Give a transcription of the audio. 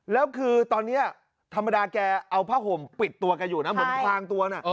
แล้วคือตอนนี้ธรรมดาแกเอาผ้าห่มปิดตัวแกอยู่นะเหมือนพลางตัวนะ